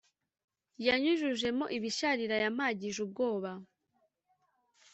Yanyujujemo ibisharira yampagije ubwoba